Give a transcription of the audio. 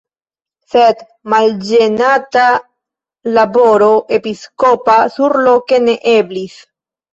Sed malĝenata laboro episkopa surloke ne eblis.